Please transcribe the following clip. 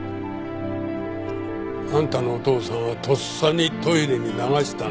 あんたのお父さんはとっさにトイレに流したんだ。